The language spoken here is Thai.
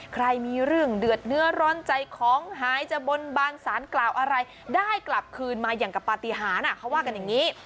ใครมีเรื่องเดือดเนื้อร้อนใจของหายจะบนบานสารกล่าวอะไรได้กลับคืนมาอย่างกับปฏิหารเขาว่ากันอย่างนี้